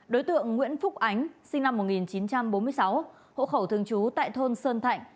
đối tượng nguyễn phúc ánh sinh năm một nghìn chín trăm bốn mươi sáu hộ khẩu thường trú tại thôn sơn thạnh